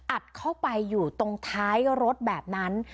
อัดเข้าไปอยู่ตรงท้ายรถแบบนั้น